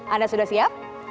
anda sudah siap